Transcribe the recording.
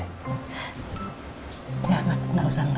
gak usah gak usah